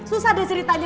susah deh ceritanya